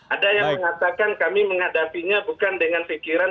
ada yang mengatakan kami menghadapinya bukan dengan pikiran